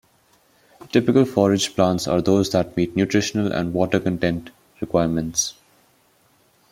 Typical forage plants are those that meet nutritional and water content requirements.